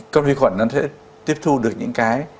các vi khuẩn nó sẽ tiếp thu được những cái